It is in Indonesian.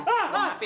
ah dah lah